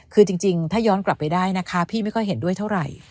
คือจริงถ้าย้อนกลับไปได้นะคะพี่ไม่ค่อยเห็นด้วยเท่าไหร่